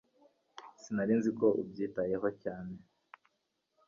Sinari nzi ko ubyitayeho cyane